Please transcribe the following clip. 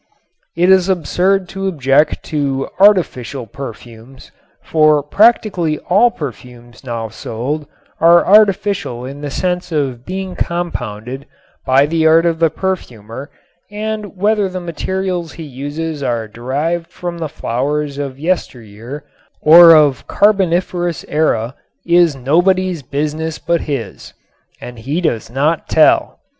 It is absurd to object to "artificial" perfumes, for practically all perfumes now sold are artificial in the sense of being compounded by the art of the perfumer and whether the materials he uses are derived from the flowers of yesteryear or of Carboniferous Era is nobody's business but his. And he does not tell.